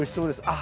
あ。